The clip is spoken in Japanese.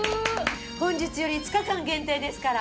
本日より５日間限定ですから。